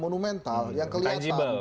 monumental yang kelihatan